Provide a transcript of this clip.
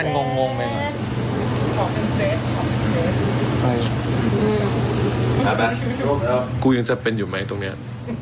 อ่ะแบบกูยังจะเป็นอยู่ไหมตรงนี้